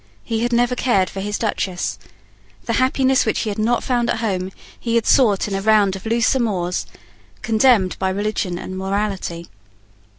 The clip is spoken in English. He had never cared for his Duchess. The happiness which he had not found at home he had sought in a round of loose amours, condemned by religion and morality.